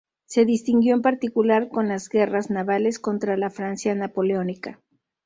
Se distinguió en particular con las guerras navales contra la Francia napoleónica.